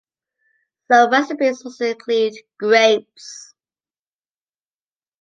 Some recipes also include grapes.